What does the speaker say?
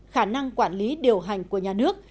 khả năng quản lý điều hành của nhà nước